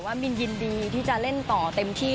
มินยินดีที่จะเล่นต่อเต็มที่